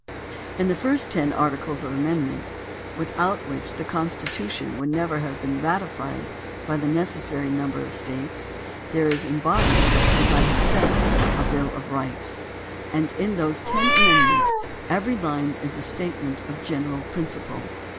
In the first ten articles of amendment, without which the Con stitution would never have been ratified by the neces sary number of States, there is embodied, as I have said, a bill of rights, and in those ten amendments every line is a statement of a general principle.